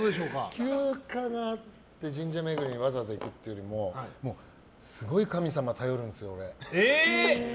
休暇があって神社巡りにわざわざ行くっていうよりもすごい神様に頼るんですよ、俺。